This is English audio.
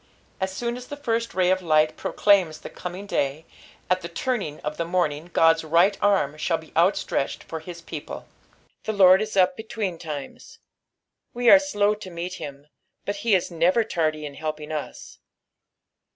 As soon as the tirst raj of light procLaims the coming day, at the turning of the morning God's right aim shnll be outstretched for his people. The Lord is up berimes. We are slow to meet him, but he is never tardj in helping us.